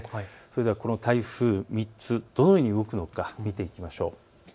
ではこの台風３つ、どのように動くのか見ていきましょう。